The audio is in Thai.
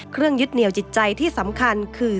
ยึดเหนียวจิตใจที่สำคัญคือ